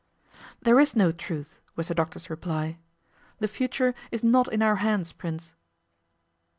'There is no truth,' was the doctor's reply. 'The future is not in our hands, Prince.